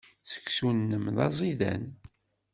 Seksu-nnem d aẓidan.